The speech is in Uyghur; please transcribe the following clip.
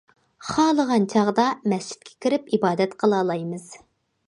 خالىغان چاغدا مەسچىتكە كىرىپ ئىبادەت قىلالايمىز.